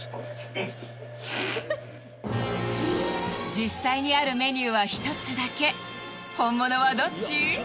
実際にあるメニューは１つだけ本物はどっち？